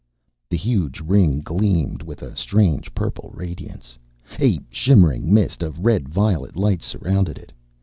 The huge ring gleamed with a strange purple radiance. A shimmering mist of red violet light surrounded it.